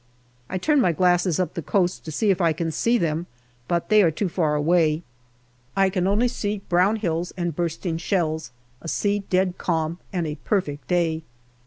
I turn my glasses up the coast to see if I can see them, but they are too far away. I can only see brown hills and bursting shells, a sea dead calm, and a perfect day.